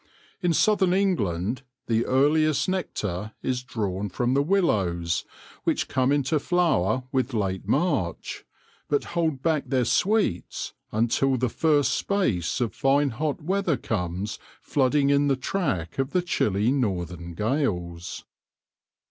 In southern England the earliest nectar is drawn from the willows, which come into flower with late March, but hold back their sweets until the first space of fine hot weather comes flooding in the track of the chilly northern gales.